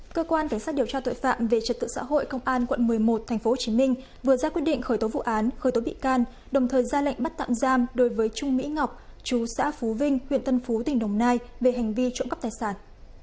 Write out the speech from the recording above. cơ quan cảnh sát điều tra tội phạm về trật tự xã hội công an quận một mươi một tp hcm vừa ra quyết định khởi tố vụ án khởi tố bị can đồng thời ra lệnh bắt tạm giam đối với trung mỹ ngọc chú xã phú vinh huyện tân phú tỉnh đồng nai về hành vi trộm cắp tài sản